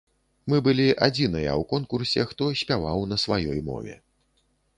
Мы былі адзіныя ў конкурсе, хто спяваў на сваёй мове.